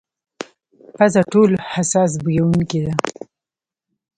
پزه ټولو حساس بویونکې ده.